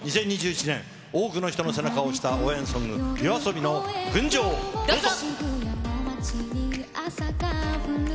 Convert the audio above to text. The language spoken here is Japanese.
２０２１年、多くの人の背中を押した応援ソング、ＹＯＡＳＯＢＩの群青、どうぞ。